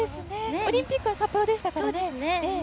オリンピックは札幌でしたからね。